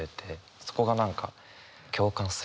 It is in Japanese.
そこが何か共感する。